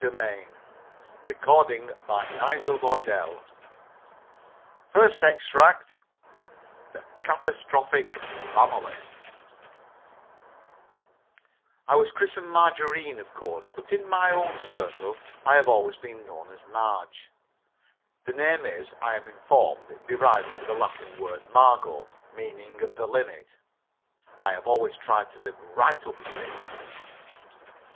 _ MARGE ASKINFORIT FIRST EXTRACT THE CATASTROPHIC FAMILY I was christened Margarine, of course, but in my own circle I have always been known as Marge. The name is, I am informed, derived from the Latin word margo, meaning the limit. I have always tried to live right up to it.